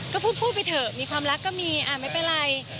ก็พูดไปเถอะมีความรักก็มีไม่เป็นไร